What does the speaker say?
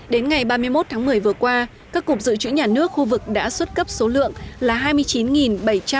đến ngày ba mươi một tháng một mươi vừa qua các cục dự trữ nhà nước khu vực đã xuất cấp số lượng là hai mươi chín bảy trăm hai mươi ba tấn